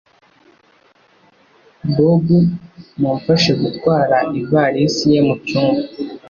Bob, mumfashe gutwara ivarisi ye mucyumba